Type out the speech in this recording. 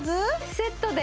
セットで？